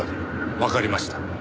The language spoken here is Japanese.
わかりました」